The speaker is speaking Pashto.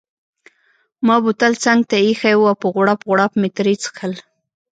ما بوتل څنګته ایښی وو او په غوړپ غوړپ مې ترې څیښل.